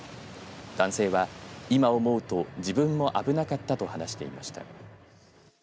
男性は今思うと自分も危なかったと話していました。